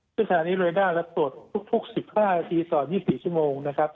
ซึ่งทางนี้เริ่มแล้วตรวจทุก๑๕นาทีต่อ๒๔ชั่วโมง